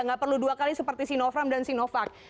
tidak perlu dua kali seperti sinovac dan sinovac